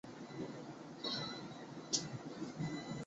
帕肯球场位于丹麦哥本哈根的足球运动场。